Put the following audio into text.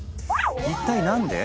一体何で？